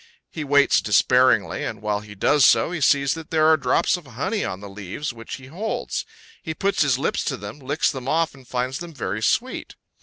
He waits despairingly, and while he does so, he sees that there are drops of honey on the leaves which he holds; he puts his lips to them, licks them off, and finds them very sweet.